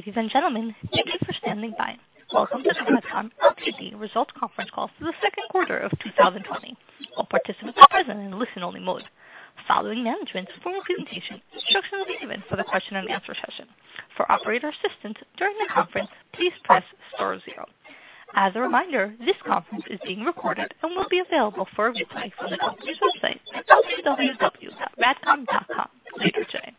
Ladies and gentlemen, thank you for standing by. Welcome to the RADCOM Q2 results conference call for the second quarter of 2020. All participants are present in listen-only mode. Following management's formal presentation, instruction will be given for the question and answer session. For operator assistance during the conference, please press star zero. As a reminder, this conference is being recorded and will be available for replay from the company's website at www.radcom.com later today.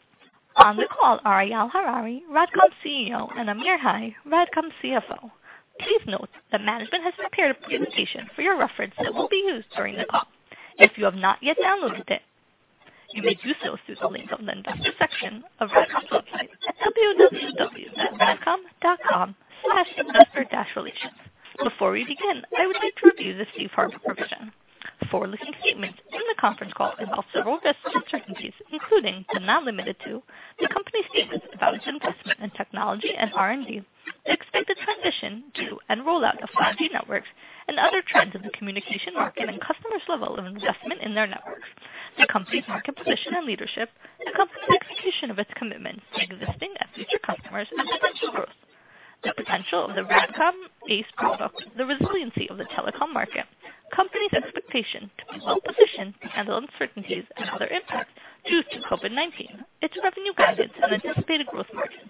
On the call are Eyal Harari, RADCOM's CEO, and Amir Hai, RADCOM's CFO. Please note that management has prepared a presentation for your reference that will be used during the call. If you have not yet downloaded it, you may do so through the link on the investor section of RADCOM's website at www.radcom.com/investor-relations. Before we begin, I would like to review the safe harbor provision. Forward-looking statements in the conference call involve several risks and uncertainties, including and not limited to, the company's status, evaluation, investment in technology and R&D. The expected transition to and rollout of 5G networks and other trends in the communication market and customers' level of investment in their networks. The company's market position and leadership. The company's execution of its commitments to existing and future customers and potential growth. The potential of the RADCOM ACE product, the resiliency of the telecom market, company's expectation to be well-positioned to handle uncertainties and other impacts due to COVID-19, its revenue guidance, and anticipated growth margins.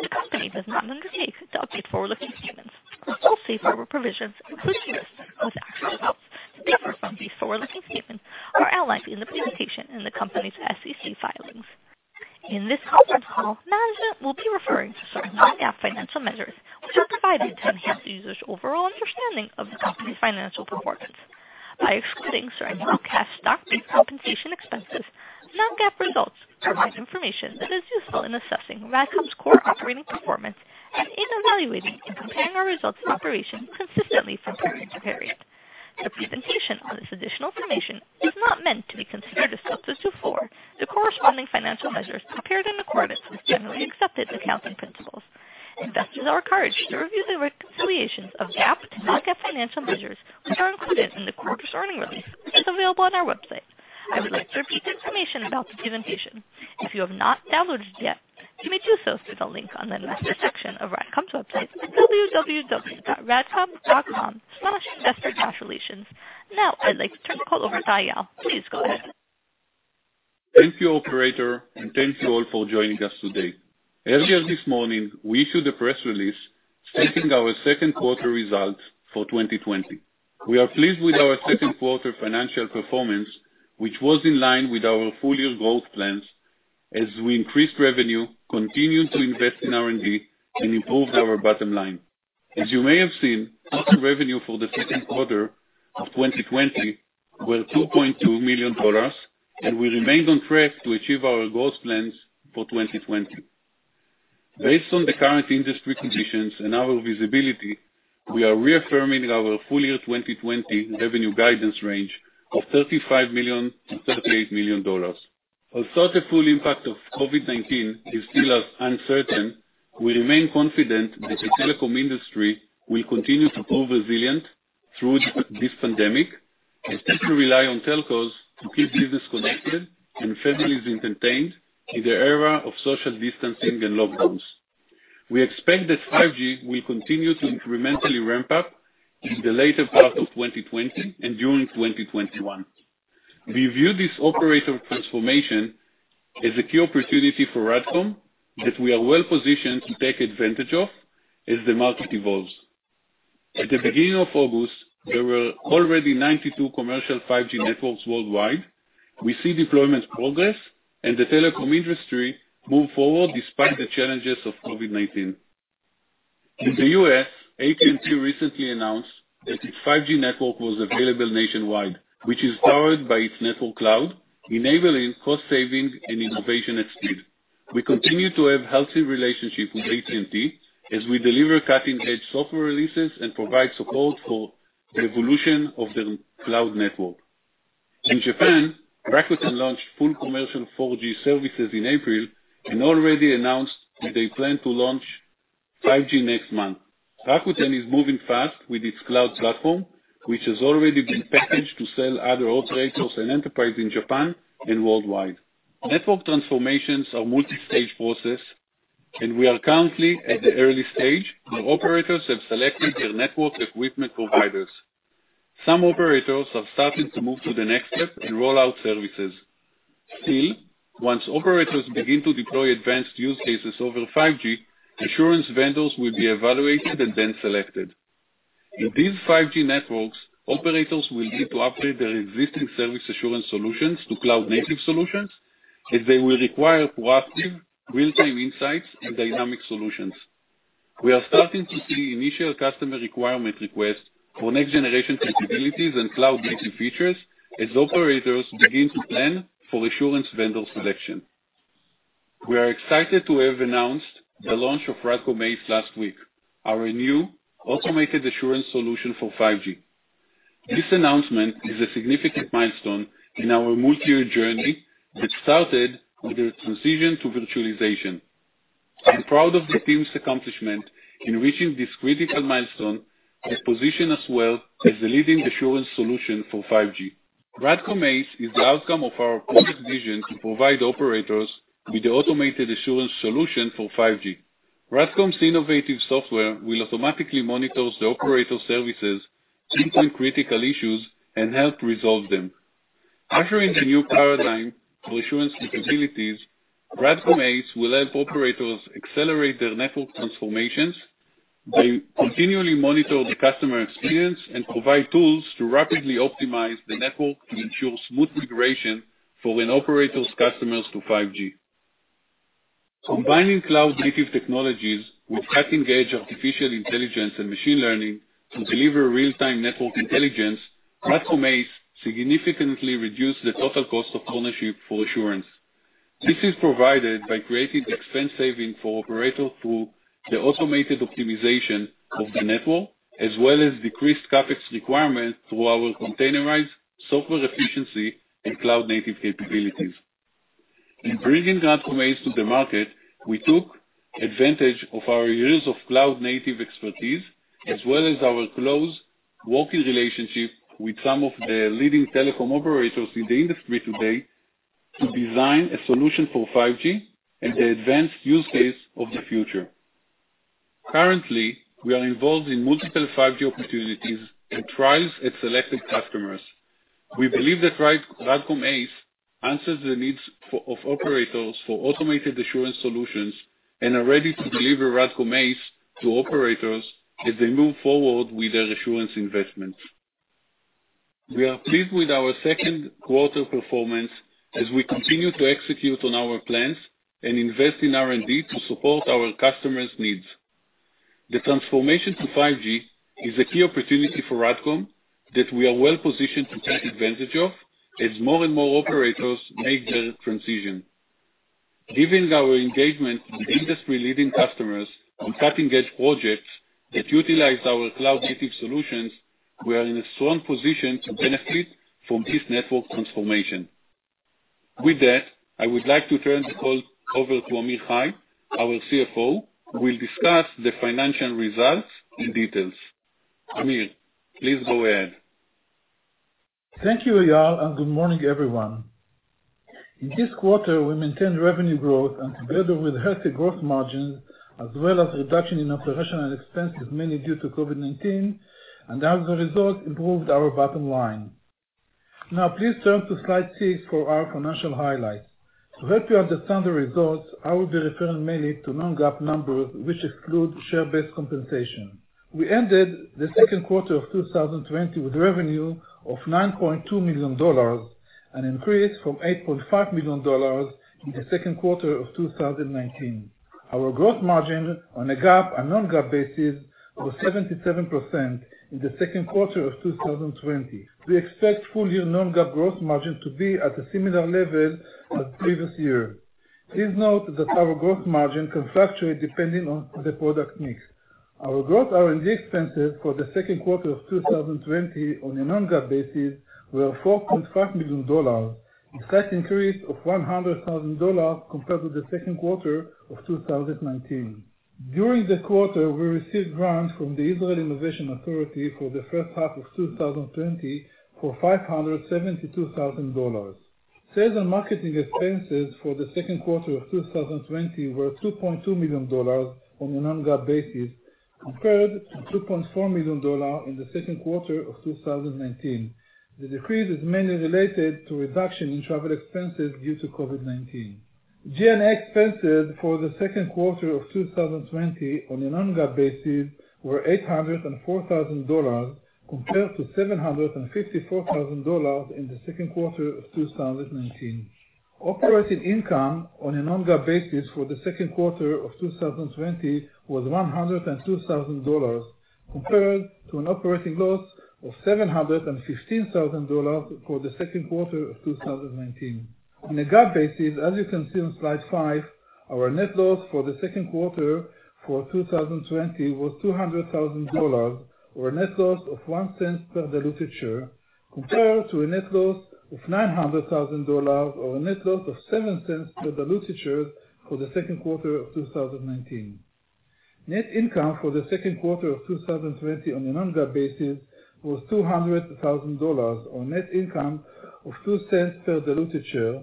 The company does not undertake to update forward-looking statements. All safe harbor provisions, including risks and uncertainties that cause actual results to differ from these forward-looking statements, are outlined in the presentation in the company's SEC filings. In this conference call, management will be referring to certain non-GAAP financial measures, which are provided to enhance the user's overall understanding of the company's financial performance. By excluding certain non-cash stock-based compensation expenses, non-GAAP results provide information that is useful in assessing RADCOM's core operating performance and in evaluating and comparing our results of operation consistently from period to period. The presentation on this additional information is not meant to be considered as opposed to, or for, the corresponding financial measures prepared in accordance with generally accepted accounting principles. Investors are encouraged to review the reconciliations of GAAP to non-GAAP financial measures, which are included in the quarter's earnings release that is available on our website. I would like to repeat the information about the presentation. If you have not downloaded yet, you may do so through the link on the investor section of RADCOM's website at www.radcom.com/investor-relations. I'd like to turn the call over to Eyal. Please go ahead. Thank you, operator, and thank you all for joining us today. Earlier this morning, we issued a press release stating our second quarter results for 2020. We are pleased with our second quarter financial performance, which was in line with our full-year growth plans as we increased revenue, continued to invest in R&D, and improved our bottom line. As you may have seen, total revenue for the second quarter of 2020 were $2.2 million, and we remained on track to achieve our growth plans for 2020. Based on the current industry conditions and our visibility, we are reaffirming our full-year 2020 revenue guidance range of $35 million-$38 million. Although the full impact of COVID-19 is still as uncertain, we remain confident that the telecom industry will continue to prove resilient through this pandemic as we rely on telcos to keep business connected and families entertained in the era of social distancing and lockdowns. We expect that 5G will continue to incrementally ramp up in the later part of 2020 and during 2021. We view this operator transformation as a key opportunity for RADCOM that we are well-positioned to take advantage of as the market evolves. At the beginning of August, there were already 92 commercial 5G networks worldwide. We see deployment progress and the telecom industry move forward despite the challenges of COVID-19. In the U.S., AT&T recently announced that its 5G network was available nationwide, which is powered by its network cloud, enabling cost saving and innovation at speed. We continue to have healthy relationships with AT&T as we deliver cutting-edge software releases and provide support for the evolution of the cloud network. In Japan, Rakuten launched full commercial 4G services in April and already announced that they plan to launch 5G next month. Rakuten is moving fast with its cloud platform, which has already been packaged to sell other operators and enterprise in Japan and worldwide. Network transformations are a multi-stage process, and we are currently at the early stage where operators have selected their network equipment providers. Still, once operators begin to deploy advanced use cases over 5G, assurance vendors will be evaluated and then selected. In these 5G networks, operators will need to upgrade their existing service assurance solutions to cloud-native solutions, as they will require proactive real-time insights and dynamic solutions. We are starting to see initial customer requirement requests for next-generation capabilities and cloud-native features as operators begin to plan for assurance vendor selection. We are excited to have announced the launch of RADCOM ACE last week, our new automated assurance solution for 5G. This announcement is a significant milestone in our multi-year journey that started with the transition to virtualization. I'm proud of the team's accomplishment in reaching this critical milestone that positions us well as the leading assurance solution for 5G. RADCOM ACE is the outcome of our product vision to provide operators with the automated assurance solution for 5G. RADCOM's innovative software will automatically monitor the operator services, pinpoint critical issues, and help resolve them. Offering a new paradigm for assurance capabilities, RADCOM ACE will help operators accelerate their network transformations by continually monitoring the customer experience and provide tools to rapidly optimize the network to ensure smooth migration for an operator's customers to 5G. Combining cloud-native technologies with cutting-edge artificial intelligence and machine learning to deliver real-time network intelligence, RADCOM ACE significantly reduce the total cost of ownership for assurance. This is provided by creating expense saving for operators through the automated optimization of the network, as well as decreased CapEx requirements through our containerized software efficiency and cloud-native capabilities. In bringing RADCOM ACE to the market, we took advantage of our years of cloud-native expertise, as well as our close working relationship with some of the leading telecom operators in the industry today to design a solution for 5G and the advanced use case of the future. Currently, we are involved in multiple 5G opportunities and trials at selected customers. We believe that RADCOM ACE answers the needs of operators for automated assurance solutions and are ready to deliver RADCOM ACE to operators as they move forward with their assurance investments. We are pleased with our second quarter performance as we continue to execute on our plans and invest in R&D to support our customers' needs. The transformation to 5G is a key opportunity for RADCOM that we are well-positioned to take advantage of as more and more operators make their transition. Given our engagement with industry-leading customers on cutting-edge projects that utilize our cloud-native solutions, we are in a strong position to benefit from this network transformation. With that, I would like to turn the call over to Amir Hai, our CFO, who will discuss the financial results in details. Amir, please go ahead. Thank you, Eyal, and good morning, everyone. In this quarter, we maintained revenue growth and together with healthy gross margins, as well as reduction in operating expenses, mainly due to COVID-19, and as a result, improved our bottom line. Now, please turn to slide six for our financial highlights. To help you understand the results, I will be referring mainly to non-GAAP numbers, which exclude share-based compensation. We ended the second quarter of 2020 with revenue of $9.2 million, an increase from $8.5 million in the second quarter of 2019. Our gross margin on a GAAP and non-GAAP basis was 77% in the second quarter of 2020. We expect full-year non-GAAP gross margin to be at a similar level as previous year. Please note that our gross margin can fluctuate depending on the product mix. Our gross R&D expenses for the second quarter of 2020 on a non-GAAP basis were $4.5 million, a slight increase of $100,000 compared with the second quarter of 2019. During the quarter, we received grants from the Israel Innovation Authority for the first half of 2020 for $572,000. Sales and marketing expenses for the second quarter of 2020 were $2.2 million on a non-GAAP basis, compared to $2.4 million in the second quarter of 2019. The decrease is mainly related to reduction in travel expenses due to COVID-19. G&A expenses for the second quarter of 2020 on a non-GAAP basis were $804,000, compared to $754,000 in the second quarter of 2019. Operating income on a non-GAAP basis for the second quarter of 2020 was $102,000 compared to an operating loss of $715,000 for the second quarter of 2019. On a GAAP basis, as you can see on slide five, our net loss for the second quarter for 2020 was $200,000, or a net loss of $0.01 per diluted share, compared to a net loss of $900,000, or a net loss of $0.07 per diluted share for the second quarter of 2019. Net income for the second quarter of 2020 on a non-GAAP basis was $200,000, or net income of $0.02 per diluted share,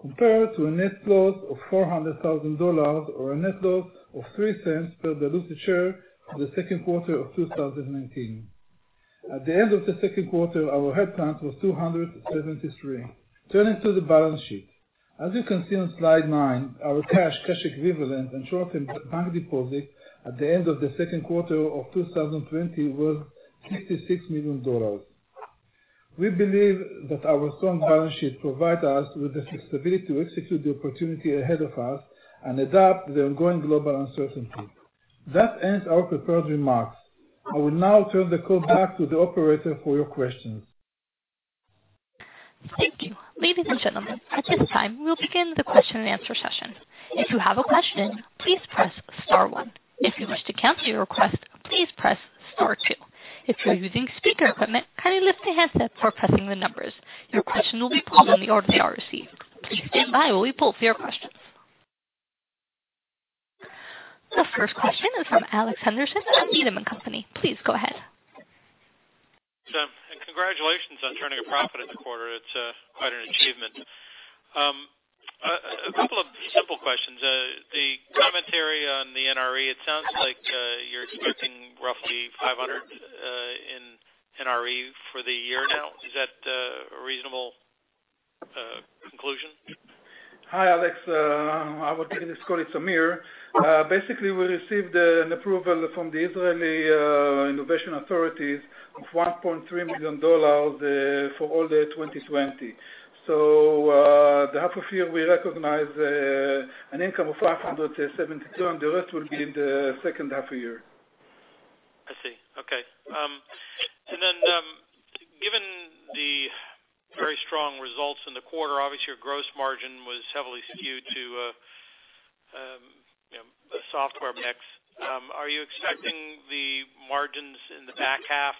compared to a net loss of $400,000 or a net loss of $0.03 per diluted share for the second quarter of 2019. At the end of the second quarter, our headcount was 273. Turning to the balance sheet. As you can see on slide nine, our cash equivalents, and short-term bank deposits at the end of the second quarter of 2020 were $66 million. We believe that our strong balance sheet provide us with the flexibility to execute the opportunity ahead of us and adapt to the ongoing global uncertainty. That ends our prepared remarks. I will now turn the call back to the operator for your questions. Thank you. Ladies and gentlemen, at this time, we'll begin the question and answer session. If you have a question, please press star one. If you wish to cancel your request, please press star two. If you're using speaker equipment, kindly lift the handset before pressing the numbers. Your question will be pulled in the order they are received. The first question is from Alex Henderson of Needham & Company. Please go ahead. Congratulations on turning a profit in the quarter. It's quite an achievement. A couple of simple questions. The commentary on the NRE, it sounds like you're expecting roughly $500 in NRE for the year now. Is that a reasonable conclusion? Hi, Alex. I would say this call is Amir. We received an approval from the Israel Innovation Authority of $1.3 million for all of 2020. The half of year, we recognize an income of $572, and the rest will be in the second half of the year. I see. Okay. Given the very strong results in the quarter, obviously, your gross margin was heavily skewed to the software mix. Are you expecting the margins in the back half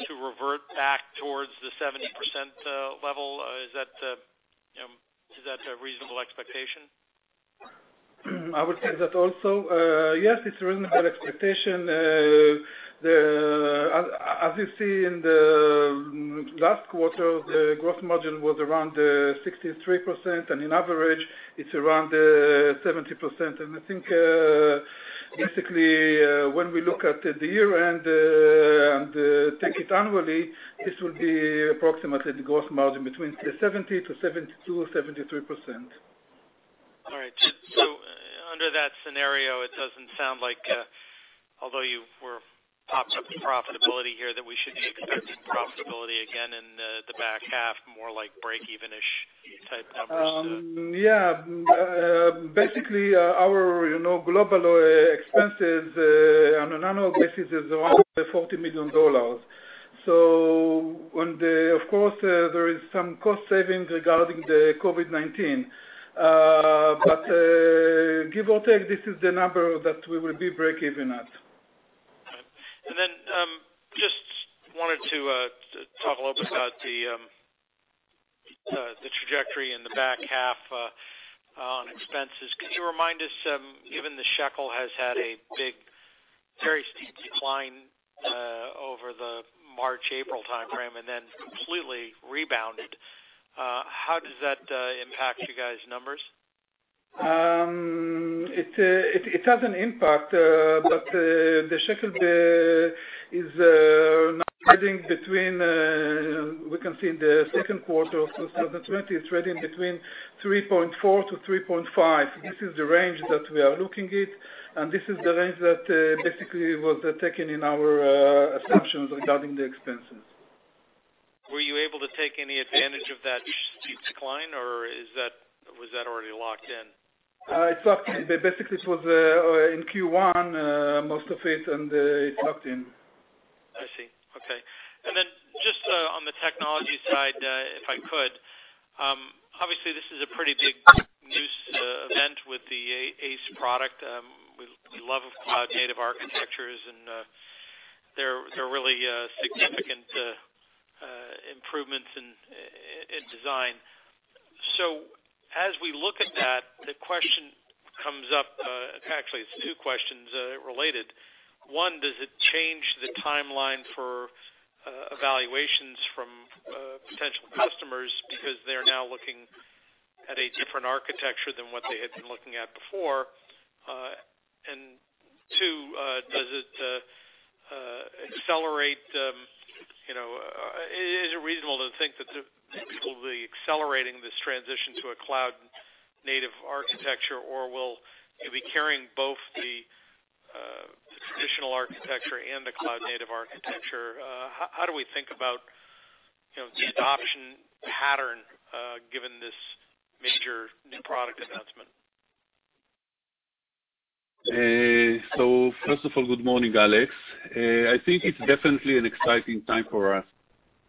to revert back towards the 70% level? Is that a reasonable expectation? I would say that also. Yes, it's a reasonable expectation. As you see in the last quarter, the gross margin was around 63%, and on average, it's around 70%. I think, basically, when we look at the year-end, and take it annually, this will be approximately the gross margin between 70% to 72%, 73%. All right. Under that scenario, it doesn't sound like, although you were popped up in profitability here, that we should be expecting profitability again in the back half, more like break-even-ish type numbers. Basically, our global expenses on an annual basis is around $40 million. Of course, there is some cost savings regarding the COVID-19. Give or take, this is the number that we will be break-even at. Just wanted to talk a little bit about the trajectory in the back half on expenses. Could you remind us, given the shekel has had a very steep decline over the March-April timeframe and then completely rebounded, how does that impact you guys' numbers? It has an impact, but the shekel is now trading between, we can see in the second quarter of 2020, it's trading between 3.4-3.5. This is the range that we are looking at, and this is the range that basically was taken in our assumptions regarding the expenses. Were you able to take any advantage of that steep decline, or was that already locked in? It's locked in. Basically, it was in Q1, most of it, and it's locked in. I see. Okay. Then just on the technology side, if I could. Obviously, this is a pretty big news event with the ACE product. We love cloud-native architectures, and they're really significant improvements in design. As we look at that, the question comes up, actually, it's two questions related. One, does it change the timeline for evaluations from potential customers because they're now looking at a different architecture than what they had been looking at before? Two, is it reasonable to think that people will be accelerating this transition to a cloud-native architecture, or will you be carrying both the traditional architecture and the cloud-native architecture? How do we think about the adoption pattern, given this major new product announcement? First of all, good morning, Alex. I think it's definitely an exciting time for us,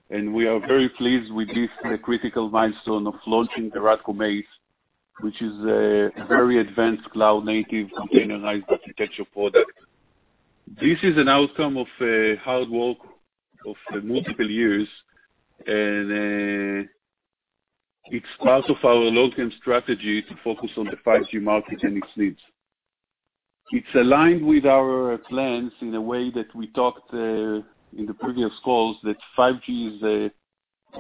and we are very pleased with this critical milestone of launching the RADCOM ACE, which is a very advanced cloud-native containerized architecture product. This is an outcome of hard work of multiple years, and it's part of our long-term strategy to focus on the 5G market and its needs. It's aligned with our plans in a way that we talked in the previous calls that 5G is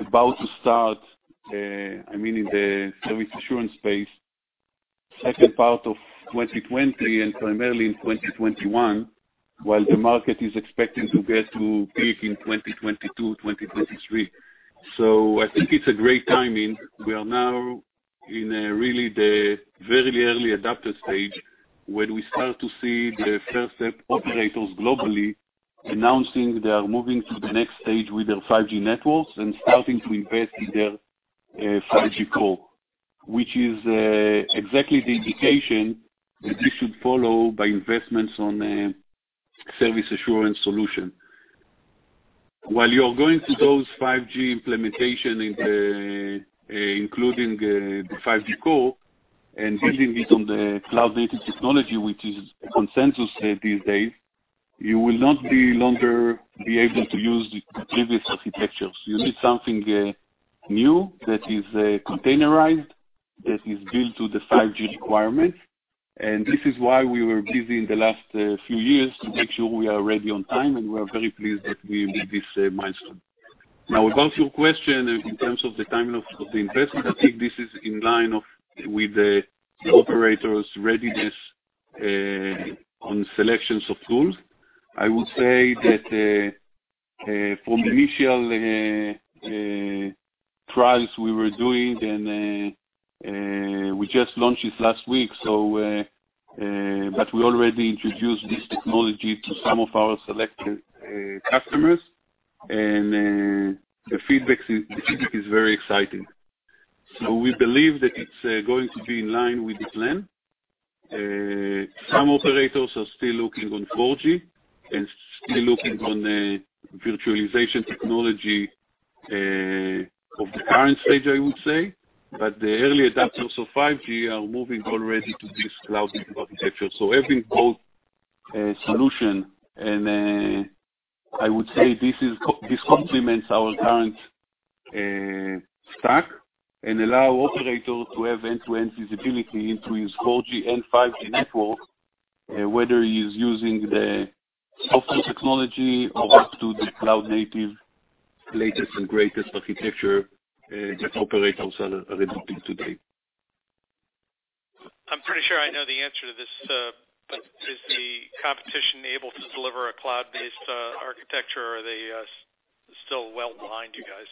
about to start, I mean, in the service assurance space, second part of 2020 and primarily in 2021, while the market is expecting to get to peak in 2022, 2023. I think it's a great timing. We are now in a really the very early adopter stage, where we start to see the first set of operators globally announcing they are moving to the next stage with their 5G networks and starting to invest in their 5G core, which is exactly the indication that this should follow by investments on a service assurance solution. While you're going through those 5G implementation, including the 5G core, and building it on the cloud-native technology, which is the consensus these days. You will no longer be able to use the previous architectures. You need something new that is containerized, that is built to the 5G requirements. This is why we were busy in the last few years to make sure we are ready on time, and we are very pleased that we made this milestone. About your question in terms of the timing of the investment, I think this is in line with the operators' readiness on selections of tools. I would say that from the initial trials we were doing, and we just launched it last week, but we already introduced this technology to some of our selected customers, and the feedback is very exciting. We believe that it's going to be in line with the plan. Some operators are still looking on 4G and still looking on the virtualization technology of the current stage, I would say, but the early adopters of 5G are moving already to this cloud-native architecture. Every both solution, and I would say this complements our current stack and allow operators who have end-to-end visibility into his 4G and 5G network, whether he's using the software technology or up to the cloud-native latest and greatest architecture that operators are adopting today. I'm pretty sure I know the answer to this, but is the competition able to deliver a cloud-based architecture, or are they still well behind you guys?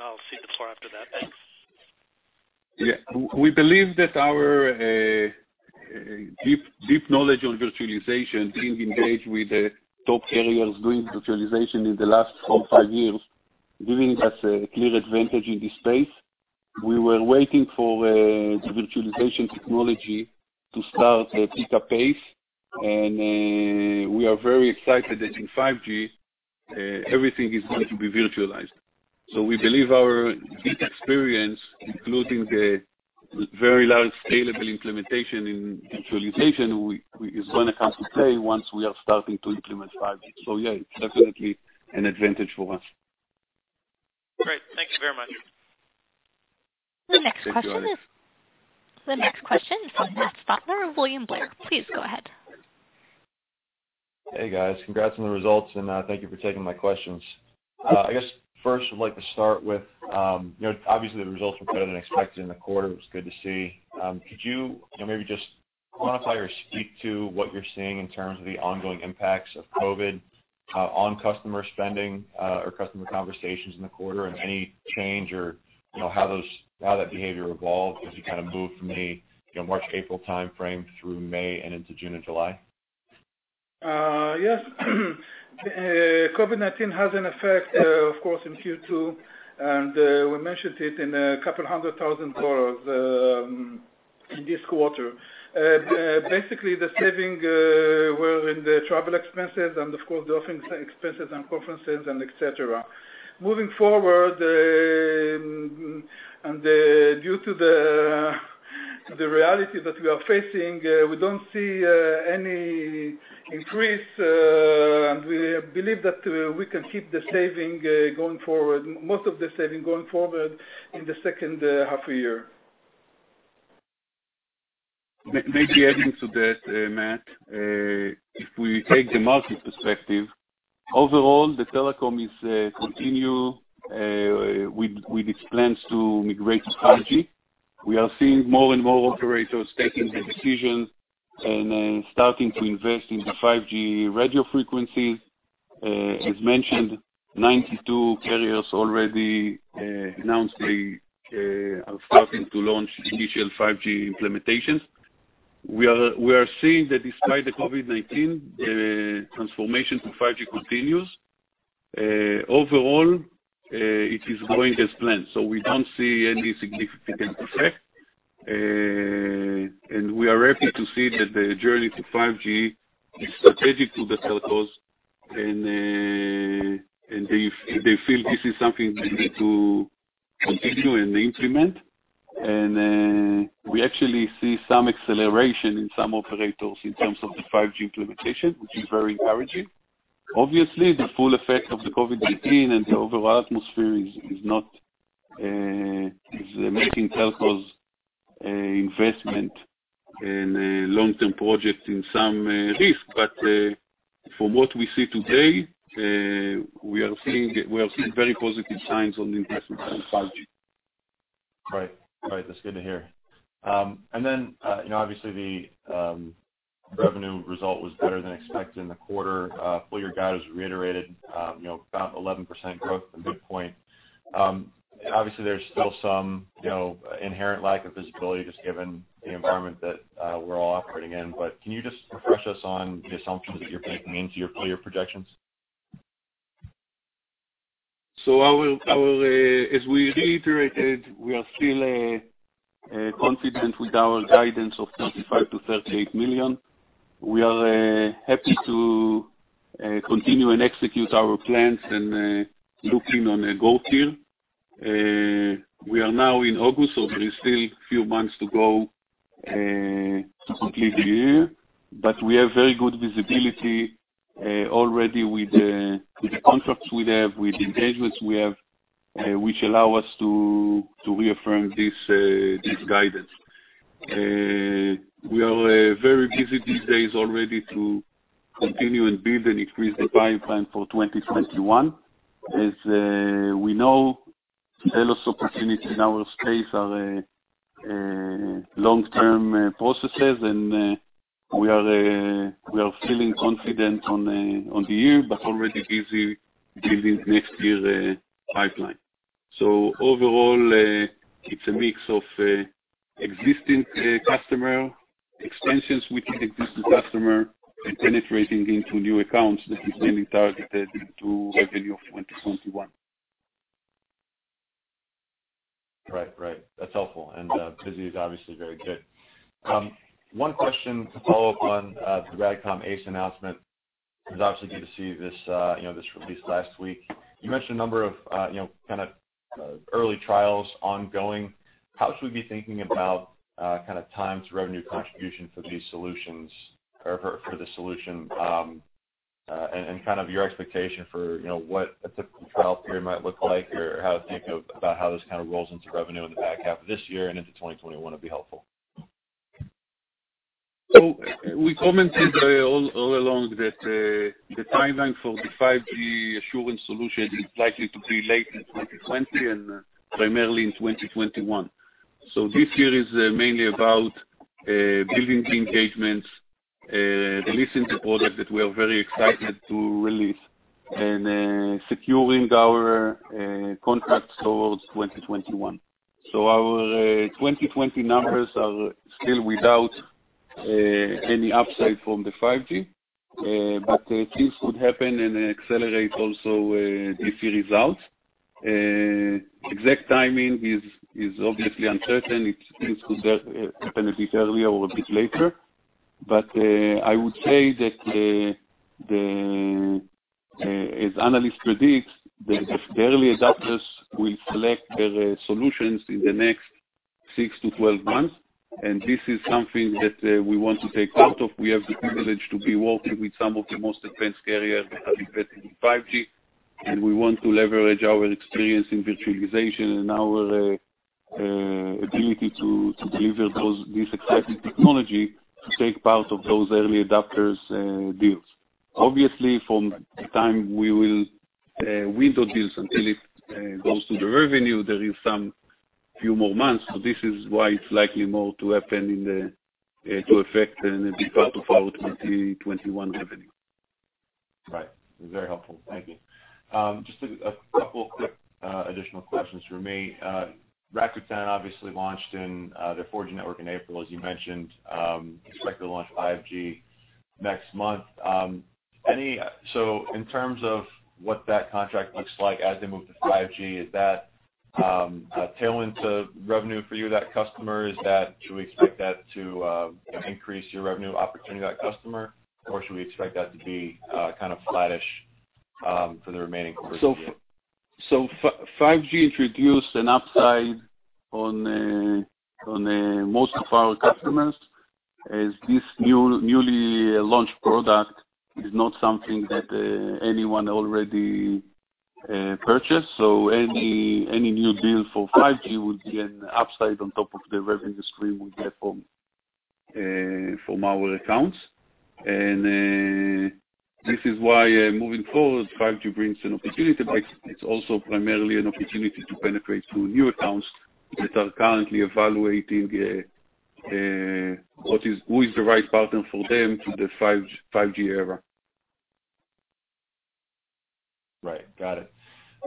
I'll cede the floor after that. Thanks. Yeah. We believe that our deep knowledge on virtualization, being engaged with the top carriers doing virtualization in the last four or five years, giving us a clear advantage in this space. We were waiting for the virtualization technology to start pick up pace, we are very excited that in 5G, everything is going to be virtualized. We believe our deep experience, including the very large scalable implementation in virtualization, is going to come to play once we are starting to implement 5G. Yeah, it's definitely an advantage for us. Great. Thank you very much. The next question is. Thank you, Eddie. The next question is from Matt Stotler of William Blair. Please go ahead. Hey, guys. Congrats on the results, and thank you for taking my questions. I guess first I'd like to start with, obviously the results were better than expected in the quarter, which was good to see. Could you maybe just quantify or speak to what you're seeing in terms of the ongoing impacts of COVID-19 on customer spending or customer conversations in the quarter and any change, or how that behavior evolved as you moved from the March-April timeframe through May and into June and July? Yes. COVID-19 has an effect, of course, in Q2, and we mentioned it in a couple of hundred thousand dollars in this quarter. Basically, the savings were in the travel expenses and of course, the office expenses and conferences and et cetera. Moving forward, and due to the reality that we are facing, we don't see any increase, and we believe that we can keep most of the savings going forward in the second half of the year. Maybe adding to that, Matt If we take the market perspective, overall, the telecom continue with its plans to migrate to 5G. We are seeing more and more operators taking the decision and starting to invest in the 5G radio frequency. As mentioned, 92 carriers already announced they are starting to launch initial 5G implementations. We are seeing that despite the COVID-19, transformation to 5G continues. Overall, it is going as planned, so we don't see any significant effect, and we are happy to see that the journey to 5G is strategic to the telcos, and they feel this is something they need to continue and implement. We actually see some acceleration in some operators in terms of the 5G implementation, which is very encouraging. Obviously, the full effect of the COVID-19 and the overall atmosphere is making telcos investment in long-term projects in some risk. From what we see today, we are seeing very positive signs on the investment in 5G. Right. That's good to hear. Obviously the revenue result was better than expected in the quarter. Full-year guide was reiterated, about 11% growth from mid-point. Obviously, there's still some inherent lack of visibility, just given the environment that we're all operating in. Can you just refresh us on the assumptions that you're baking into your full-year projections? as we reiterated, we are still confident with our guidance of $35 million-$38 million. We are happy to Continue and execute our plans and looking on a goal here. We are now in August, so there is still few months to go to complete the year. We have very good visibility already with the contracts we have, with engagements we have, which allow us to reaffirm this guidance. We are very busy these days already to continue and build and increase the pipeline for 2021. As we know, sales opportunity in our space are long-term processes, and we are feeling confident on the year, but already busy building next year pipeline. Overall, it's a mix of existing customer, extensions with existing customer, and penetrating into new accounts that is mainly targeted into revenue of 2021. Right. That's helpful. Busy is obviously very good. One question to follow up on the RADCOM ACE announcement. It was obviously good to see this release last week. You mentioned a number of early trials ongoing. How should we be thinking about time to revenue contribution for these solutions, or for the solution, and your expectation for what a typical trial period might look like or how to think about how this rolls into revenue in the back half of this year and into 2021 would be helpful. We commented all along that the timeline for the 5G assurance solution is likely to be late in 2020, and primarily in 2021. This year is mainly about building the engagements, releasing the product that we are very excited to release, and then securing our contracts towards 2021. Our 2020 numbers are still without any upside from the 5G, but things could happen and accelerate also this year results. Exact timing is obviously uncertain. Things could happen a bit earlier or a bit later. I would say that, as analyst predicts, that the early adopters will select their solutions in the next six to 12 months, and this is something that we want to take part of. We have the privilege to be working with some of the most advanced carriers that are invested in 5G. We want to leverage our experience in virtualization and our ability to deliver this exciting technology, to take part of those early adopters deals. Obviously, from the time we will window this until it goes to the revenue, there is some few more months. This is why it's likely more to happen in the to affect and be part of our 2021 revenue. Right. Very helpful. Thank you. Just a couple quick additional questions from me. Rakuten obviously launched their 4G network in April, as you mentioned, expect to launch 5G next month. In terms of what that contract looks like as they move to 5G, is that a tailwind to revenue for you, that customer? Should we expect that to increase your revenue opportunity to that customer? Should we expect that to be flattish for the remaining quarter of the year? 5G introduce an upside on most of our customers, as this newly launched product is not something that anyone already purchased. Any new deal for 5G would be an upside on top of the revenue stream we get from our accounts. This is why, moving forward, 5G brings an opportunity, but it's also primarily an opportunity to penetrate to new accounts that are currently evaluating who is the right partner for them through the 5G era. Right. Got it.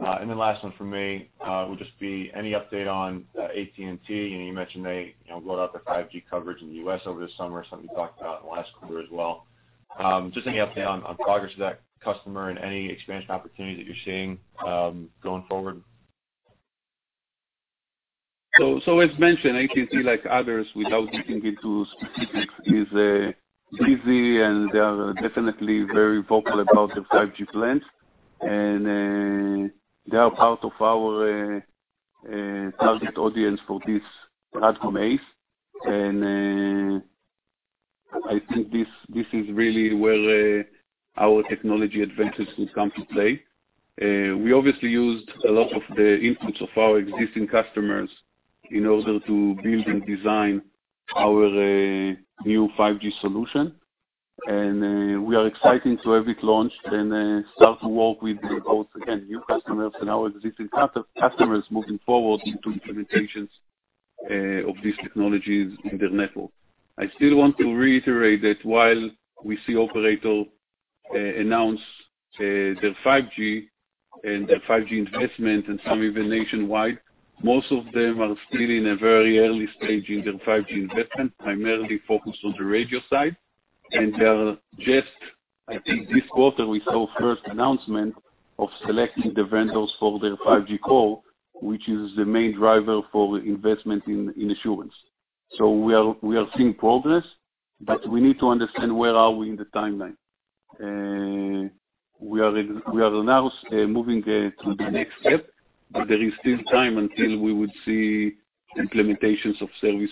Last one from me would just be any update on AT&T? You mentioned they rolled out their 5G coverage in the U.S. over the summer, something you talked about last quarter as well. Just any update on progress with that customer and any expansion opportunities that you're seeing going forward? As mentioned, AT&T, like others, without getting into specifics, is busy, and they are definitely very vocal about their 5G plans. They are part of our target audience for this RADCOM ACE, and I think this is really where our technology advances will come to play. We obviously used a lot of the inputs of our existing customers in order to build and design our new 5G solution. We are excited to have it launched and start to work with both, again, new customers and our existing customers moving forward into implementations of these technologies in their network. I still want to reiterate that while we see operator announce their 5G and their 5G investment, and some even nationwide, most of them are still in a very early stage in their 5G investment, primarily focused on the radio side. They are just, I think this quarter we saw first announcement of selecting the vendors for their 5G core, which is the main driver for investment in assurance. So we are seeing progress, but we need to understand where are we in the timeline. We are now moving to the next step, but there is still time until we would see implementations of service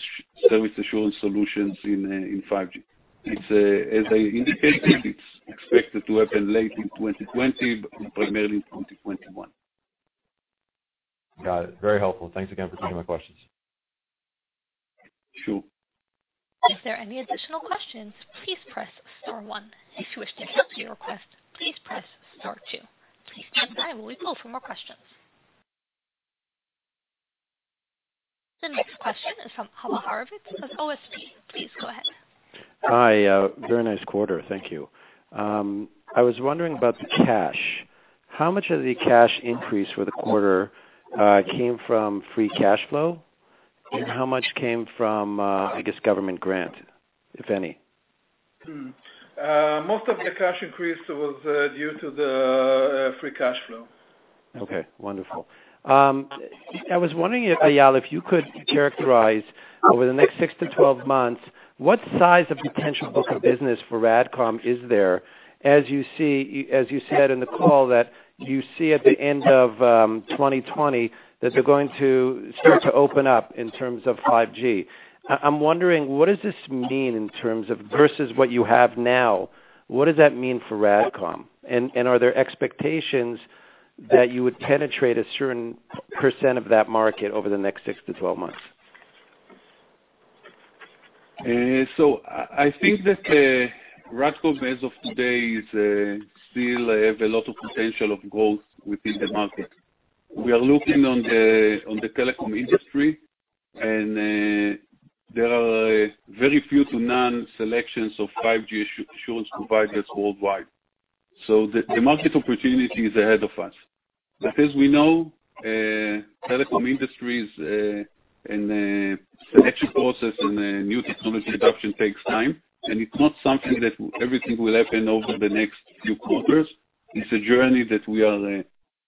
assurance solutions in 5G. As I indicated, it's expected to happen late in 2020, primarily in 2021. Got it. Very helpful. Thanks again for taking my questions. Sure. The next question is from Abba Horowitz of Old School Partners. Please go ahead. Hi. Very nice quarter. Thank you. I was wondering about the cash. How much of the cash increase for the quarter came from free cash flow, and how much came from government grant, if any? Most of the cash increase was due to the free cash flow. Okay, wonderful. I was wondering if, Eyal, if you could characterize over the next 6 to 12 months what size of potential book of business for RADCOM is there, as you said in the call that you see at the end of 2020 that they're going to start to open up in terms of 5G. I'm wondering, versus what you have now, what does that mean for RADCOM? Are there expectations that you would penetrate a certain percent of that market over the next 6 to 12 months? I think that RADCOM, as of today, still have a lot of potential of growth within the market. We are looking on the telecom industry, and there are very few to none selections of 5G assurance providers worldwide. The market opportunity is ahead of us. As we know, telecom industries and selection process and new technology adoption takes time, and it's not something that everything will happen over the next few quarters. It's a journey that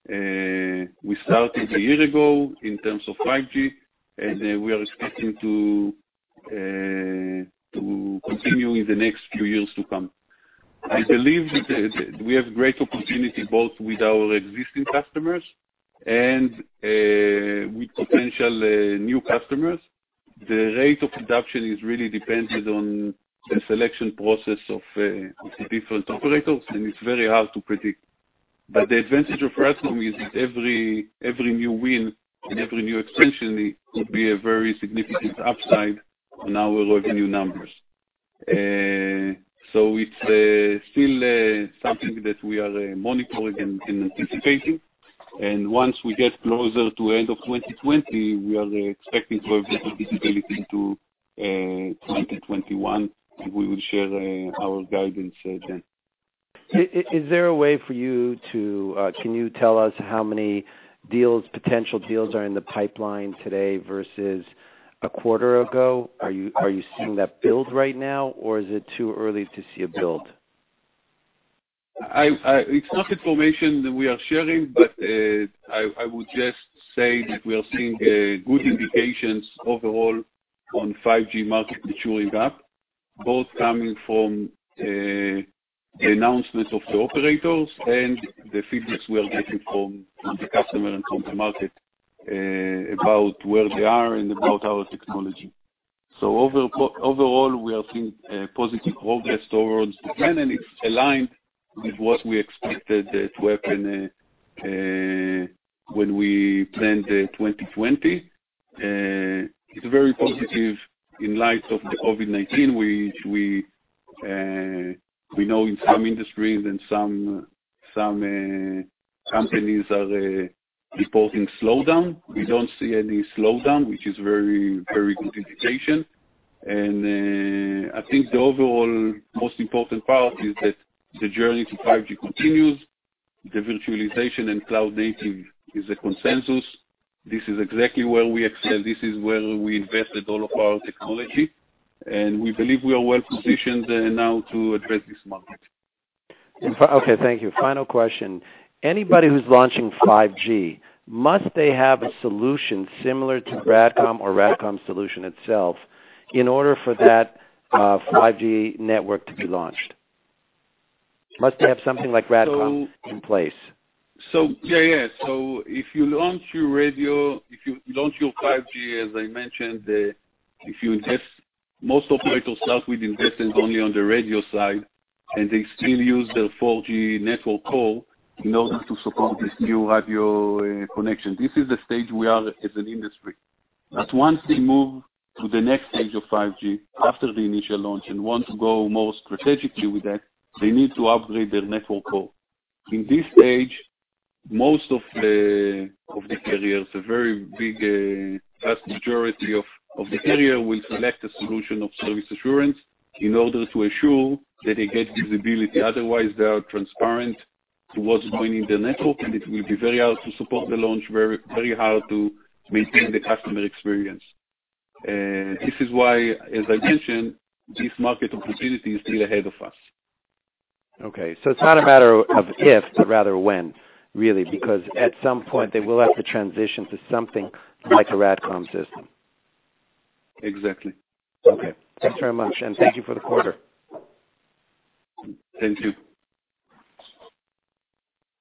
we started a year ago in terms of 5G, and we are expecting to continue in the next few years to come. I believe that we have great opportunity both with our existing customers and with potential new customers. The rate of adoption is really dependent on the selection process of the different operators, and it's very hard to predict. The advantage of RADCOM is that every new win and every new expansion could be a very significant upside on our revenue numbers. It's still something that we are monitoring and anticipating, and once we get closer to end of 2020, we are expecting to have better visibility into 2021, and we will share our guidance then. Can you tell us how many potential deals are in the pipeline today versus a quarter ago? Are you seeing that build right now, or is it too early to see a build? It's not information that we are sharing, but I would just say that we are seeing good indications overall on 5G market maturing up, both coming from announcements of the operators and the feedbacks we are getting from the customer and from the market about where they are and about our technology. Overall, we are seeing positive progress towards the plan, and it's aligned with what we expected that happen when we planned 2020. It's very positive in light of the COVID-19, which we know in some industries and some companies are reporting slowdown. We don't see any slowdown, which is very good indication. I think the overall most important part is that the journey to 5G continues. The virtualization and cloud-native is a consensus. This is exactly where we excel. This is where we invested all of our technology, and we believe we are well-positioned now to address this market. Okay, thank you. Final question. Anybody who's launching 5G, must they have a solution similar to RADCOM or RADCOM's solution itself in order for that 5G network to be launched? Must they have something like RADCOM in place? If you launch your 5G, as I mentioned, most operators start with investing only on the radio side, and they still use their 4G network core in order to support this new radio connection. This is the stage we are as an industry. Once they move to the next stage of 5G after the initial launch and want to go more strategically with that, they need to upgrade their network core. In this stage, most of the carriers, a very big, vast majority of the carriers will select a solution of service assurance in order to assure that they get visibility. Otherwise, they are transparent to what's going in the network, and it will be very hard to support the launch, very hard to maintain the customer experience. This is why, as I mentioned, this market opportunity is still ahead of us. Okay, it's not a matter of if, but rather when, really, because at some point, they will have to transition to something like a RADCOM system. Exactly. Okay. Thanks very much, and thank you for the quarter. Thank you.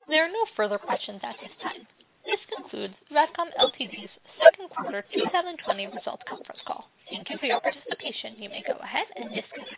There are no further questions at this time. This concludes RADCOM Ltd.'s second quarter 2020 results conference call. Thank you for your participation. You may go ahead and disconnect.